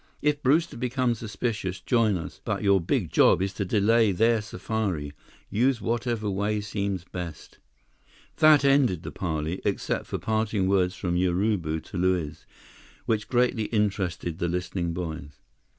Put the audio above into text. If Brewster becomes suspicious, join us. But your big job is to delay their safari. Use whatever way seems best." That ended the parley, except for parting words from Urubu to Luiz, which greatly interested the listening boys.